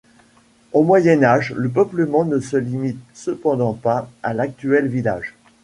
Au Moyen Âge le peuplement ne se limite cependant pas à l'actuel village.